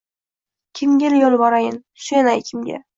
Kimga yolvorayin, suyanay kimga